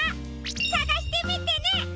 さがしてみてね！